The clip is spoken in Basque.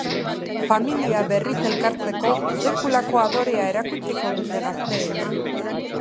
Familia berriz elkartzeko sekulako adorea erakutsiko dute gazteek.